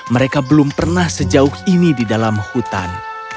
mereka belum pernah sejauh ini di dalam hutan